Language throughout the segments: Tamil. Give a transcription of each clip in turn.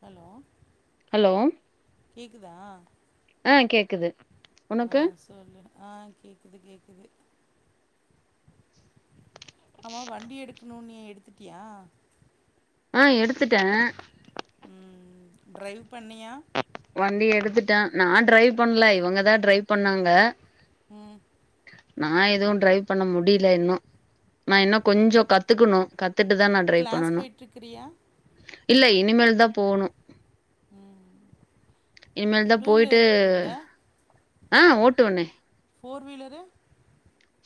ஹலோ ஹலோ கேக்குதா ஆ கேக்குது ஆ உனக்கு சொல்லு ஆ கேக்குது கேக்குது ஆமா வண்டி எடுக்கணுன்னியே எடுத்துட்டியா ஆ எடு த்துட்டே டிரைவ் பண்ணியா வண்டி எடுத்துட்டே நா டிரைவ் பண்ல இவங்கதா டிரைவ் பண்ணாங்க ம் நா எதுவு டிரைவ் பண்ண முடியல இன்னு நா இன்னு கொஞ்சொ ம் கத்துக்கணு கத்துட்டுதா நா டிரைவ் கிளாஸ் பண்ணணு போயிட்டுருக்கிறியா இல்ல இனி மேல் தா போணு ம் இனிமேல்தா ஓகே டூ போயிட்டு வீலர் ஓட்டுவீல்ல ஆ ஓட்டுவனே ஃபோர் வீலரு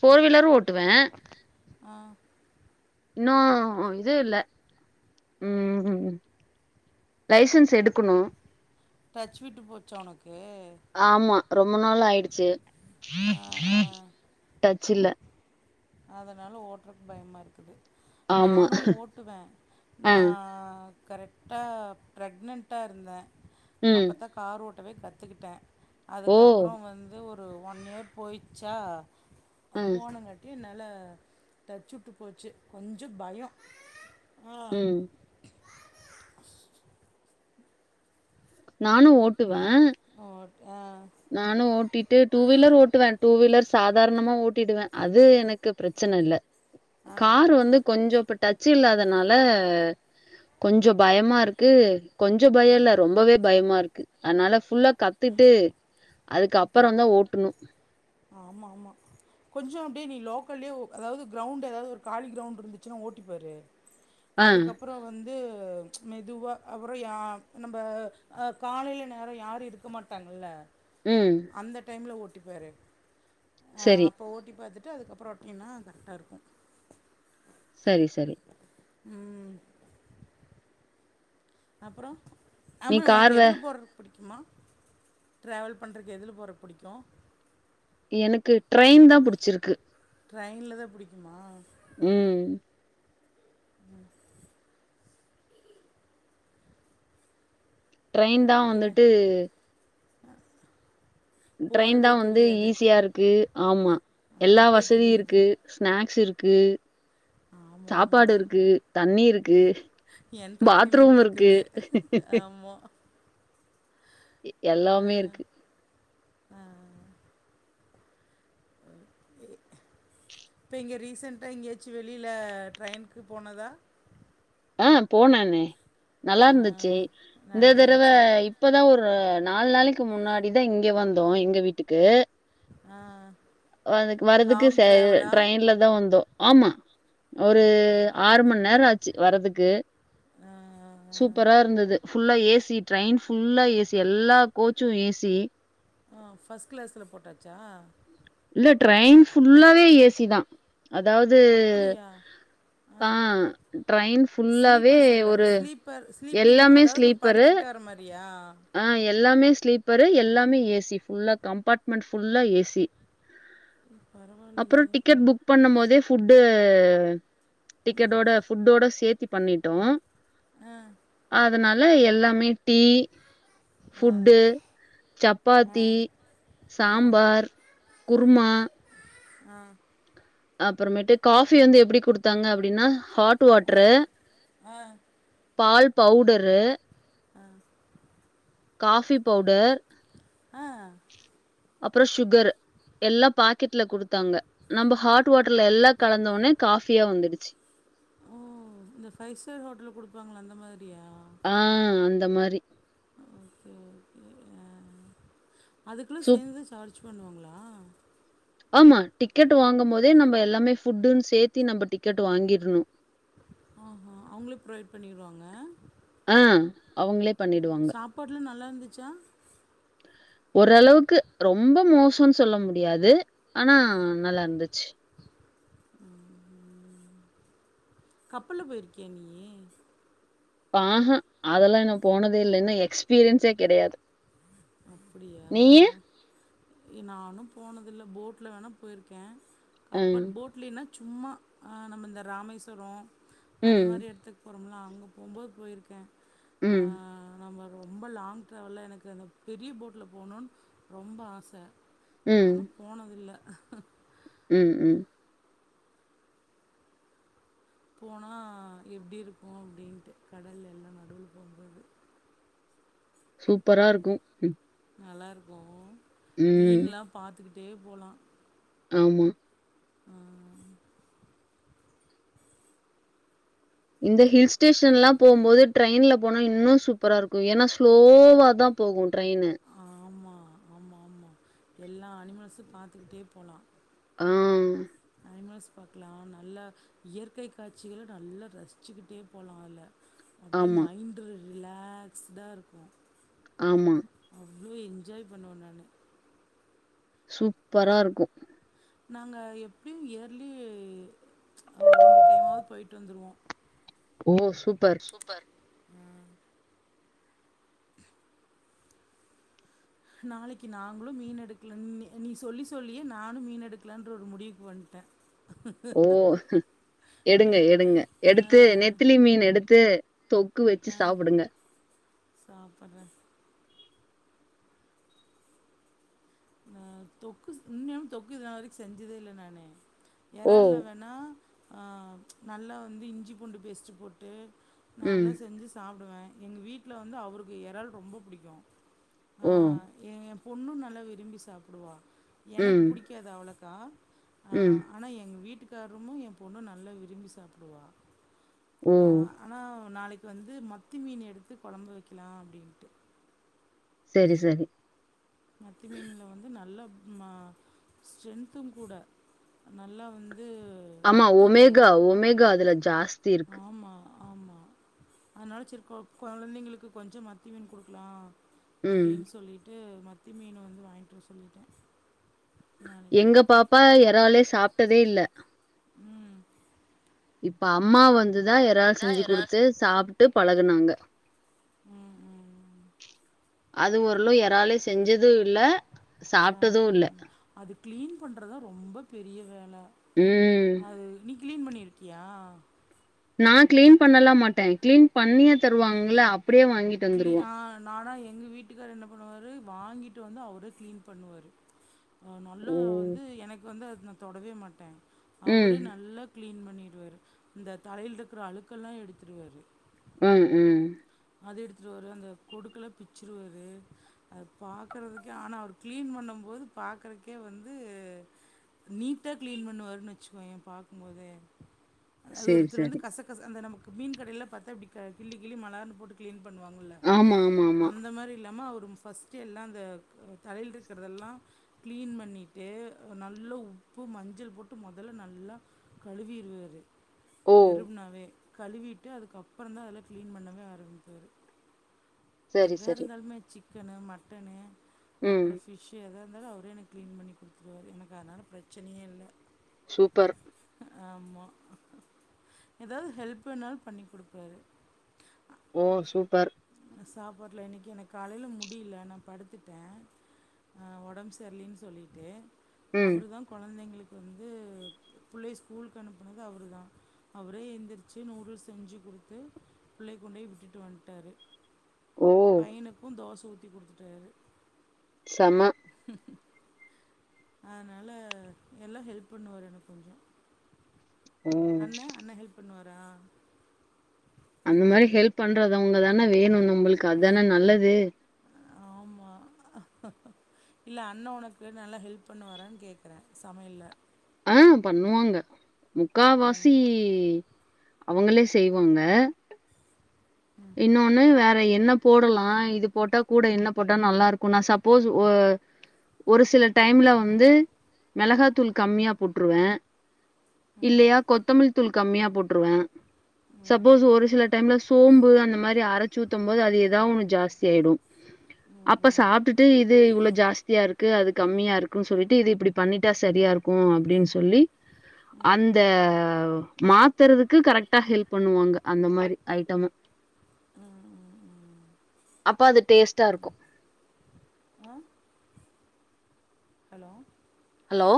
ஃபோர் வீலரு ஓட்டுவே ஆ இன்னு இது இல்ல ம் ம் லைசன்ஸ் எடுக்கணு டச் விட்டு போச்சா உனக்கு ஆமா ரொம்ப நாள் ஆயிடுச்சு ஆ ஆ ட ச்சு இல்ல அதனால ஓட்றக்கு பயமா இருக்குது ஆமா நானு ஓட்டுவே ஆ நா கரெக்டா ப்ரெக்னெட்டா இருந்தே ம் அப்பத்தா கார் ஓட் ட்டவே கத்துக்கிட்டே ஓ அதுக்கப்புறோ வந்து ஒரு ஒரு ஒன் இயர் போயிச்சா ஆ போனங்கட் டி நல்ல டச்சுவுட்டு போச்சி கொஞ்ச பயோ ம் நானு ஓட்டு வே ஓ ஆ நானு ஓட்டிட்டு டூ வீலர் ஓட்டுவே டூ வீலர்ஸ் சாதாரணமா ஓடிடுவே அது எனக்கு பிரச்சன இல்ல ஆ காரு வந்து கொஞ்சம் இப்ப டச் ச்சி இல்லாதனால கொஞ்சோ பயமா இருக்கு கொஞ்ச பயல்ல ரொம்பவே மா இருக்கு அதனால ஃபுல்லா கத்துட்டு அதுக்கப்புறந்தா ஓட்டணு ஆமா ஆமா கொஞ்சோ அப்பிடியே நீ லோக் க்கலியோ அதாவது கிரௌண்ட் எதாது ஒரு காலி கிரௌண்ட் இருந்துச்சுன்னா ஓட்டிப்பாரு ஆ அதுக்கப்புறோ வந் து மெதுவா அப்புறோ நம்ப காலையில நேரோ யாரு இருக்க மாடாங்கில்ல ம் அந்த டைம்ல ஓட் டிப்பாரு ஆ சரி அப்ப ஓட்டி பாத்து ட்டு அதுக்கப்புறோ ரொட்டினா கரெக்டா இருக்கு சரி சரி ம் அப்புறோ நீ ஆமா கார் உனக்கு வே எதுல போற புடிக்குமா டிரவல் பண்றக்கு எதுல போற புடிக்கு எனக்கு ட்ரெயின்தா புடிச்சிருக்கு ட்ரைன்லதா புடிக்குமா ம் உம் ட்ரெயின் தான் ஏ வந்துட்டு ட்ரெயின் போறதே தான் வந்து தெரியாது ஈஸியா இருக்கு ஆமா எல்லா அலுப்பே வசதியும் தெரியாது இருக்கு ஸ்நாக் ஸ் இருக்கு ஆமாமா. சாப்பாடு இருக்கு தண்ணி இருக்கு என்டர்டெயின்மெண்ட் பாத்ரூம் இருக்கு இருக்குது. ஆமா. எல்லாமே இருக்கு இப்போ இங்க ரீசென்ட்டா எங்கயாச்சும் வெளியில ட்ரெயினக்கு போனதா ஆஹ் போனனே நல்லா ஆ இருந்துச்சு இந்த நல்லா தடவை இருந்துச்சு. இப்பதான் ஒரு ஒரு நாலு நாளைக்கு முன்னாடிதான் இங்க வந்தோம் எங்க வீட்டுக்கு ஆஹ் வ வரதுக்கு ச ட்ரெயின்ல தான் வந்தோம் ஆமா ஒரு ஓகே, ஓகே. ஆறு மணி நேரம் ஆச்சு வரறதுக்கு ஆ, ஆ. சூப்பரா இருந்தது புல்லா ஏசி ட்ரெயின் ஃபுல்லா ஏசி எல்லா கோச்சும் ஏசி ஆ ஃபர்ஸ்ட் கிளாஸில போட்டாச்சா இல்ல ட்ரெயின் ஃபுல்லாவே ஏசி தான் அதாவது அப்படியா? ஆ ஆஹ ட்ரெயின் ஃபுல்லாவே ஸ்லீப்பர் செல்ல ஒரு ஸ்லீப்பர் ஸ்லீப்பிங் எல்லாமே அதாவது நம்ம ஸ்லீப்பரு படுத்துக்கிட்டு வர மாரியா? ஆஹ எல்லாமே ஸ்லீப்பரு எல்லாமே ஏசி புல்லா கம்பார்ட்மெண்ட் புல்லா ஏசி பரவாயில்லையே. அப்றோம் டிக்கெட் புக் பண்ணும் போதே ஃபுட்டு டிக்கெட்டோட ஃபுட்டோட சேர்த்தி பண்ணிட்டோம் ஆஹ் அதனால எல்லாமே டீ ஃபுட்டு ஆ, சப்பாத்தி சாம்பார் குருமா ஆஹ் அப்றமேட்டு காபி வந்து எப்டி குடுத்தாங்க அப்டின்னா ஹாட் வாட்ரு ஆ, பால் பவுடரு ஆஹ் காபி பவுடர் ஆ அப்றோ ஷுகர் எல்லா பாக்கெட்ல குடுத்தாங்க நம்ப ஹாட் வாட்டர்ல எல்லா கலந்தோனே காஃபியா வந்துடு ச்சு ஓ இந்த ஃபை ஸ்டார் ஹோட்டல்ல குடுப்பாங்கல அந்த மாதிரியா ஆ அந்த மாரி ஓகே ஓகே ஆ அதுக்குள்ளா சேந்து சார்ஜ் பண்ணுவாங்ளா ஆமா டிக்கெட் வாங்கும் போதே நம்ப எல்லாமே ஃபுட்டுன் சேத்தி நம்ப டிக்கெட் வாங்கிருனு ஓஹோ அவுங்களே ப்ரொவைட் பண்ணிருவாங்க ஆ அவங்ளே பண்ணிடுவாங்க ச்சா ஓரளவுக்கு ரொம்ப மோசொன் சொல்ல முடியாது ஆனா நல்லாருந்துச்சு கப்பல்ல போயிருக்கியா நீயி? ஆஹ அதெல்லா நா போனதே இல்ல என்ன எக்ஸ்பீரியன்ஸே கெடயாது அப்டியா எ நானு போனதுல்ல போட்ல வேணா போயிருக்கே அ. கப்பல் போட்லேனா சும்மா அ நம்மந்த ராமேஸ்வரோ அந்த ம். மாரி எடத்துக் போ வொம்ல அங்க போம்போது போயிருக்கே ஆ ம். நம்ம ரொம்ப லாங் ட்ராவல்ல எனக்கது பெரிய போட்ல போணுன் ரொம்ப ஆச ம். ஆனா போனதில்ல ம் ம் போனா எப்டி இருக்கு அப்டின்ட்டு கடல்லலா நடுல போம்போது சூப்பரா இருக்கு ம் நல்லாருக்கு ம். மீன்லா பாத்துகி ட்டே போலா ஆமா இந்த ஹில் ஸ்டேஷன்லா போம் போது ட்ரெயின்ல போனா இன்னு சூப்பரா இருக்கு ஏன்னா ஸ்லோவா தா போகு ட்ரெய்னு ஆமா, ஆமா, ஆமா. எல்லா அனிமல்ஸு பாத்துக்கிட்டே போலா ஆ. அனிமல்ஸ் பாக்கலா நல்லா இயற்கை காட்சிகள் நல்லா ரசிச்சுக்கிட்டே போலா அல எப்பிடியு ஆமா, மைண்ட் ரிலாக்ஸ்டா இருக்கு ஆமா. இவ்ளோ என்ஜாய் பண்ணுவே நானு சூப்பரா இருக்கு நாங்கள் எப்பிடியு இயர்லி ஒரு ரெண்டு டைமாது போயிட்டு வந்துருவோ ஓ சு சூப்பர் நாளைக்கு நாங்களு மீன் எடுக்கல நீ நீ சொல்லி சொல்லியே நானு மீன் எடுக்கலான்ற ஒரு முடிவுக்கு வண்ட்டே ஓ எடுங்க எடுங்க ஆ, எடுத்து நெத்திலி மீன் எடுத்து தொக்கு வச்சி சாப்பிடுங்க சாப்பறே ஆ தொக்கு இன்னு தொக்கு இதனால வரைக்கு செஞ்சதே இல்ல நானு ஓ! இறால்ல வேணா ஆ நல்லா வந்து இஞ்சி பூண்டு பேஸ்ட்டு போட்டு ம். நல்லா செஞ்சி சாப்பிடுவே எங்க வீட்ல வந்து அவருக்கு இறால் ரொம்ப புடிக்கு ம் ஒன்னு நலவு விரும்பி சாப்புடுவா எனக்கு ம். புடிக்காது அவ்ளக்கா ம். ஆனா ஆ எங்க வீட்டுக் காரமு ஏ பொண்ணு நல்லா விரும்பி சாப்பிடுவா ம் ஆனால் நாளைக்கு வந்து மத்தி மீன் எடுத்து கொழம்பு வைக்கலா அப்பிடின்ட்டு சரி சரி மத்தி மீன்ல வந்து நல்ல நா ஸ்ட்ரென்த்து கூட நல்லா வந் அமா ஒமேகா ஒமேகா அதுல்லா ஜாஸ் தீ இருக்கு ஆமா அனால சே கொ கொழந்தைங்களுக்கு கொஞ்சம் மத்தி மீன் குடுக்கலா ம். அப்பிடின் சொல்லிட்டு ம கத்தி மீன் வந்து வாங்கிட்டு வர சொல்லிட்டேன் நாளைக்கு எங்க பாப்பா இறாலே சாப்ப விட்டதே இல்ல ம் இப்ப அம்மா வந்து து தான் இறால் அதான் செஞ்சு இறால் கொடுத்து சாப்பிட்டு பழகுனாங்க உம் உம் அது ஓரளவு இறாலும் செஞ்சதும் இல்ல சாப்பிட்டதும் இல்ல சாப்பிட்டது அது க்ளீன் பண்ணுறதான் ரொம்ப பெரிய வேலை ம். அது மீன் க்ளீன் பண்ணியிருக்கியா நான் கிளீன் பண்ணலாம் மாட்டேன் கிளீன் பண்ணியே தருவாங்கள ஆப் அப்படியே வாங்கிட்டு க்ளீ வந்துருவோம் ஆ நானா எங்க வீட்டுக்கார என்ன பண்ணுவாரு வாங்கிட்டு வந்து அவரே கிளீன் பண்ணுவாரு நல்ல ம் வந்து எனக்கு வந்து அ நான் தொடவே மாட்டேன் அவரு ம் நல்லா கிளீன் பண்ணி பண்ணிடுவாரு இந்தந்த தலையில் இருக்கிற அழுக்கெல்லாம் எடுத்துடுவாரு உஹம் உம் அது எடுத்துகிட்டு வரும் அந்த கொடுக்கலாம் பிச்சுடுவது அதை பார்க்கறதுக்கே ஆனால் அவர் க்ளீன் பண்ணும்போது பார்க்குறதுக்கே வந்து நீட்டாக க்ளீன் பண்ணுவருன்னு வச்சுக்கோயேன் பார்க்கும்போதே அது சேரி ஒருத்தர் வந்து சேரி கசக்கச அந்த நமக்கு மீன் கடையெல்லாம் பார்த்த கிள்ளிகிள்ளி போட்டு கிளீன் பண்ணுவாங்கல்ல ஆமா ஆமா ஆமா அந்த மாதிரி இல்லாம அவர் அப்புறம் ஃபஸ்ட்டே எல்லாம் அந்த தலையில் இருக்கிறதெல்லாம் க்ளீன் பண்ணிட்டு நல்லா உப்பு மஞ்சள் போட்டு மொதல்ல நல்லா கழுவிருவார் ஓ வெறும்னாவே கழுவிட்டு அதுக்கப்புறம் தான் அதல்ல கிளீன் பண்ணங்க சரி எதா சரி இருந்தாலுமே சிக்கனு மட்டனு ம் அப்புறம் பிஷ் ஏதாவது இருந்தாலும் அவரே என் எனக்கு க்ளீன் பண்ணி கொடுத்துருவார் எனக்கு அதனால் பிரச்சனையே இல்லை சூப்பர் ஆமா எதாவது ஹெல்ப் வேண்ணாலு பண்ணி குடுப்பாரு ஓ சூப்பர் அ சாப்பாட்ல இன்னக்கி எனக்கு காலைல முடியல நா படுத்துட்டே ஆ ஒடம்பு சரில்லைன் சொல்லிட்டு ம் அவுருதா கொழந்தைங்களுக் இப்ப வந்து புள்ளைய ஸ்கூலுக்கு அனுப்புனது அவருதா அவரே எந்திரிச்சு நூடுல்ஸ் செஞ்சு குடுத்து பிள்ளைய கொண்டு போய் விட்டுட்டு வந்ட்டாரு ஓ பையனுக்கு தோச ஊத் தி குடுத்துட்டாரு செம அதனால எல்லா ஹெல்ப் பண்ணுவாரு எனக்கு கொஞ்சோ ம் அண்ணே அண்ணே ஹெல்ப் பண்ணுவா ரா அந்த மாரி ஹெல்ப் பண்றதவங்கதான வேணு நம்மளுக்கு அதான நல்லது ஆமா இல்ல அண்ண உனக்கு நல்லா ஹெல்ப் பண்ணுவாரான்னு கேக்குறே சமையல்ல ஆ பண்ணுவாங்க முக்காவாசி ம். அவங்களே செய்வாங்க இன்னொன்னு வேற என்ன போடலா இது போட்டா கூட என்ன போட்டா நல்லா இருக்கு நா சப்போஸ் ஒ ஒரு சில டைம்ல வந்து மெளகாத்தூள் கம்மியா போட்ருவே ம். இல்லையா கொத்தமல் தூள் கம்மியா போட்ருவே ம். சப்போஸ் ஒரு சில டைம்ல சோம்பு அந்த மாரி அரைச்சு ஊத்தும் போது அது எதா ஒன்னு ஜாஸ்தி ஆயிடு ம். அப்ப ம். ம். சாப்டுட்டு இது இவ்ளோ ஜாஸ்தியா இருக்கு அது கம்மியா இருக்குன்னு சொல்லிட்டு இது இப்டி பண்ணிட்டா சரியா இருக்கு அப்டின்னு சொல்லி ம். அந்த மாத்தறதுக்கு கரெக்டா ஹெல்ப் பண்ணுவாங்க அந்த மாரி ஐட்டமா ம். ம். அப்ப அது டேஸ்ட்டா இருக்கு ஆ ஹலோ ஹலோ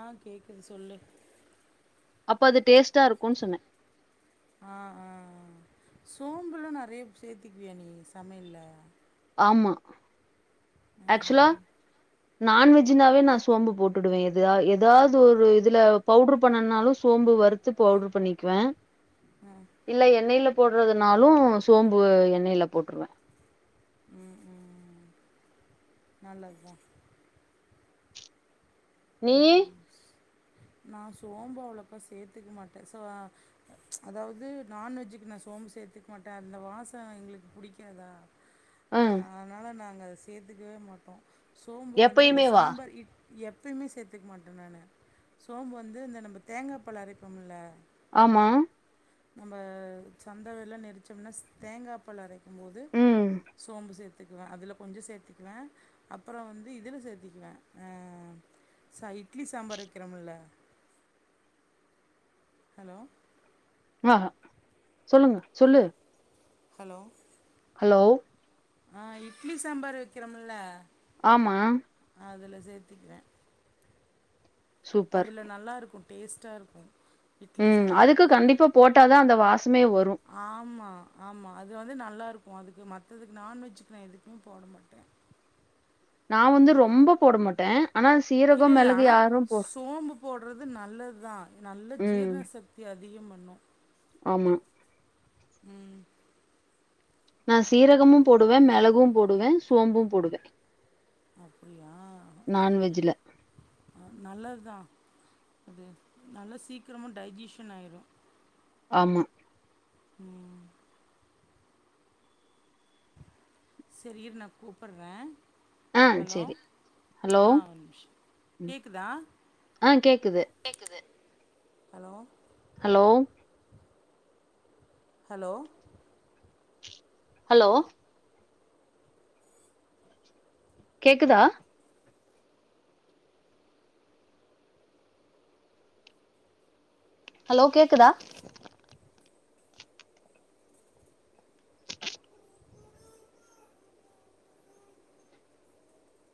ஆ கேக்குது சொல்லு அப்ப அது டேஸ்ட்டா இருக்குன்னு சொன்னே ஆ ஆ ஆ சோம்புல்லா நெறைய சேத்திக்குவியா நீ சமையல்ல ஆமா ஆ. ஆக்சுலா நான்வெஜ்ஜுனாவே நா சோம்பு போட்டுடுவே எதா எதாது ஒரு இதுல பவுடரு பண்ணனாலு சோம்பு வறுத்து பவுடர் பண்ணிக்குவே ஆ. இல்ல எண்ணெயில போடுறதுனாலு சோம்பு எண்ணெயில போட்ருவே நல்லதுதா நீயி நா சோம்பு அவ்ளோக்கா சேத்துக்க மாட்டே சோ ஆ அதாவது நான்வெஜ்க்கு நா சோம்பு சேத்துக்க மாட்டே அந்த வாசோ எங்களுக்கு புடிக்காதா ஆ ஆ நாங்க அத சேத்துக்கவே மாட்டோ சோம்பு வந்து இந்த எப்பயுமேவா சாம்பார் இட் எப்பயுமே சேத்துக்க மாட்டே நானு சோம்பு வந்து இந்த நம்ப தேங்கா பால் அரைப்போம்முல ஆமா நம்ம சந்த வெல்லா நெரிச்சோம்னா தேங்கா பால் அரைக் கும்போது ம் போது சோம்பு சேத் சேத்துக்குவ அதல கொஞ்ஜோ சேத்துக்குவே அப்றோ வந்து இதில சேத்துக்குவே ஆ ச இட்லி சாம்பார் வெக் வெக்கிரோம்ல ஹலோ ஆ சொல்லுங்க சொல்லு ஹலோ ஹலோ ஆ இட்லி சாம்பார் வெக்கிறோம்முல ஆமா அதுல சேத்துக்கிவே சூப்பர் அதுல நல்லா இருக்கு டேஸ்ட்டா இருக்கு உ இட்லி அதுக்கு சாம்பாருக்கு கண்டிப்பா போட்டா தா அந்த வாசமே வரு ஆமா ஆமா அது நல்லாருக்கு அதுக்கு மத்ததுக்கு நான்வெஜ்க்கு நா எதுக்குமே போட மாட்டே நா வந்து ரொம்ப போட மாட் தே இல்ல இல்ல ஆனா சோம்பு போடுறது நல்லதுதா நல்ல ம் ஜீரண சக்திஅது அதயு பண்ணு ஆமா உ நா சீரகமு போடுவே மிளகு போடுவே சோம்பு போடுவே அப்டியா நான்வெஜ்ல நல்லது தா அது நல்லா சீக்கிரமா டைஜஷன் ஆயிரு ஆமா உ சரிர் நா கூப்பிட்றே ஆ ஹலோ செரி ஹலோ ஆ மிஷ ம் கேக்குதா ஆ கேக்குது கேக்குது ஹலோ ஹலோ ஹலோ ஹலோ கேக்குதா ஹலோ கேக்குதா